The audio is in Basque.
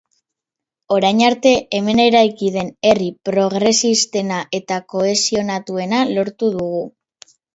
Orain arte hemen eraiki den herri progresistena eta kohesionatuena lortu dugu.